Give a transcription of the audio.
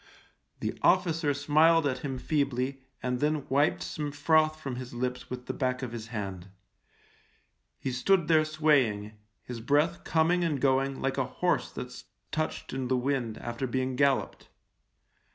The officer smiled at him feebly and then wiped some froth from his lips with the back of his hand. He stood there swaying, his breath coming and going like a horse that's touched in the wind after being gal loped.